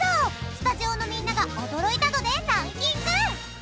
スタジオのみんなが驚いた度でランキング！